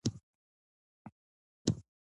زه خپل مسئولیتونه پر وخت سرته رسوم.